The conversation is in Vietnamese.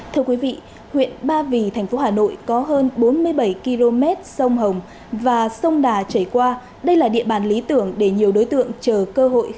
thưa quý vị huyện ba vì thành phố hà nội có hơn bốn mươi bảy km sông hồng và sông đà chảy qua đây là địa bàn lý tưởng để nhiều đối tượng chờ cơ hội